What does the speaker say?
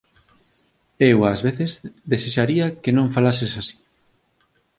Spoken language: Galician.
“Eu ás veces desexaría que non falases así”.